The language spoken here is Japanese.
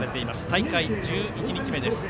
大会１１日目です。